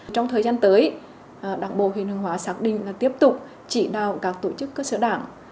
trong thời gian tới đảng bộ huyện hương hóa xác định là tiếp tục chỉ đào các tổ chức cơ sở đảng